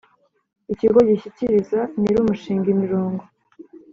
Ikigo gishyikiriza nyir umushinga imirongo